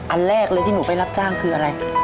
อันแรกที่เด็กหนูไปรับจ้างคืออะไร